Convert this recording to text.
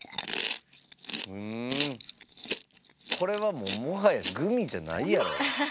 これはもうもはやグミじゃないやろ。